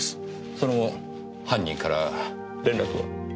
その後犯人から連絡は？